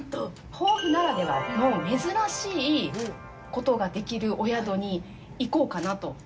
防府ならではの、珍しいことができるお宿に行こうかなと。